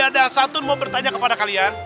ada satu mau bertanya kepada kalian